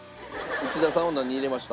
内田さんは何入れました？